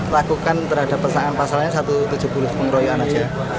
lakukan terhadap persamaan pasalnya satu tujuh puluh pengeroyokan aja